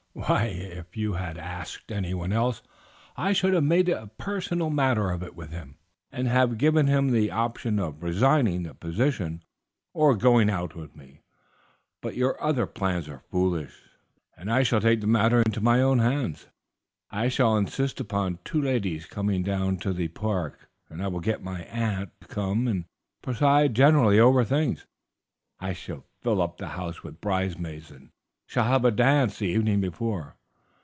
"Why, if you had asked anyone else I should have made a personal matter of it with him, and have given him the option of resigning the position or going out with me. But your other plans are foolish, and I shall take the matter into my own hands; I shall insist upon the two ladies coming down to the Park, and I will get my aunt to come and preside generally over things. I shall fill up the house with bridesmaids, and shall have a dance the evening before.